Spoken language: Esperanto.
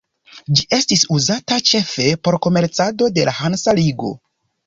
Ĝi estis uzata ĉefe por komercado de la Hansa ligo.